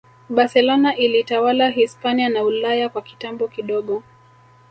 Barcelona ilitawala Hispania na Ulaya kwa kitambo kidogo